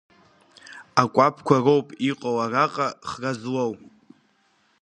Акәаԥқәа роуп иҟоу араҟа хра злоу.